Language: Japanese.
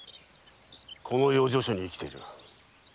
この養生所に生きている。